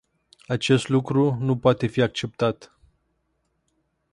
Acest lucru nu poate fi acceptat.